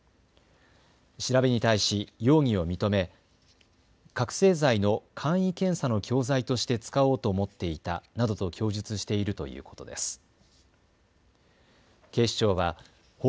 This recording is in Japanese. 調べに対し容疑を認め覚醒剤の簡易検査の教材として使おうと思っていたなどと供述しているということです。